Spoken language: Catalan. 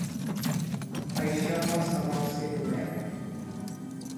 Això qualsevol cec ho veu.